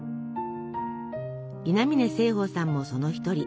稲嶺盛保さんもその一人。